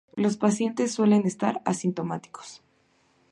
Los pacientes suelen estar asintomáticos.